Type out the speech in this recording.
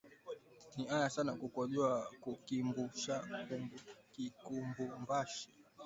Ni aya sana kukojoa kukibumbashi